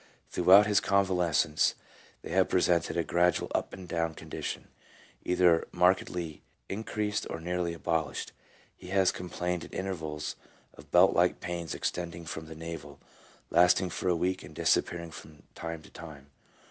Throughout his convalescence they have presented a gradual up and down condition, either markedly increased or nearly abolished. He has com plained at intervals of belt like pains extending from the navel, lasting for a week and disappearing from time to time.